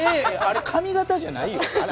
あれ髪形じゃないよ。